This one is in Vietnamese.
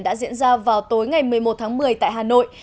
đã diễn ra vào tối ngày một mươi một tháng một mươi tại hà nội